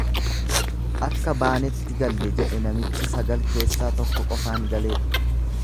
Akka baanetti galle jedhe namichi sagal keessaa tokko qofaan galee.